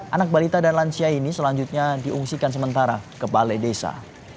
anak balita dan lansia ini selanjutnya diungsikan sementara ke balai desa